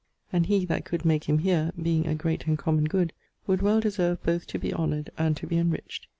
And he that could make him heare (being a great and common good) would well deserve both to be honoured and to be enriched.